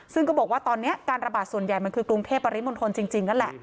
ซึ่งก็บอกว่าตอนนี้การระบาดส่วนใหญ่มันคือกรุงเทพปริมณฑลจริงนั่นแหละ